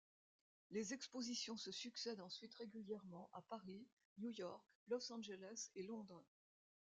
Les expositions se succèdent ensuite régulièrement à Paris, New-York, Los Angeles et Londres.